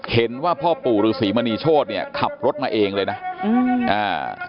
เห็นว่าพ่อปู่ฤษีมณีโชธเนี่ยขับรถมาเองเลยนะอืมอ่า